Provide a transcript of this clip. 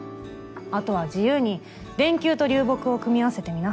あとは自由に電球と流木を組み合わせてみな。